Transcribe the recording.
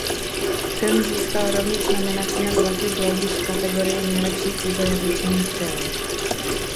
Film získal rovněž nominaci na Zlatý glóbus v kategorii nejlepší cizojazyčný film.